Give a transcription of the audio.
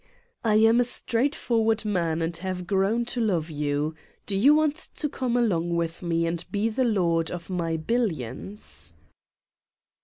"I am a straightforward man and have grown to love you. Do you want to come along with me and be the lord of my billions?"